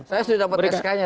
saya sudah dapat sk nya